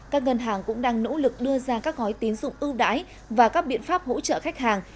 các ngân hàng cũng đang nỗ lực đưa ra các gói tín dụng ưu đãi và các biện pháp hỗ trợ khách hàng